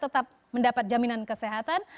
tetap mendapat jaminan kesehatan